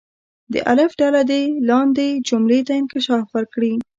د الف ډله دې لاندې جملې ته انکشاف ورکړي.